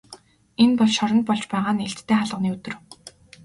Энэ бол шоронд болж байгаа нээлттэй хаалганы өдөр.